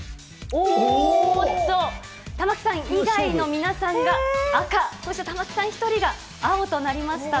おっと、玉城さん以外の皆さんが、赤、そして玉城さん１人が青となりました。